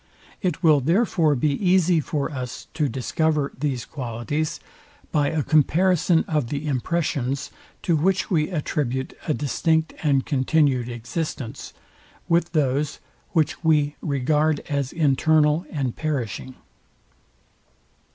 It will therefore be easy for us to discover these qualities by a comparison of the impressions, to which we attribute a distinct and continued existence, with those, which we regard as internal and perishing.